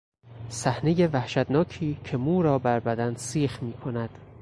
صحنهی وحشتناکی که مو را بر بدن سیخ میکند